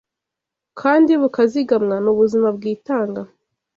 kandi bukazigamwa ni ubuzima bwitanga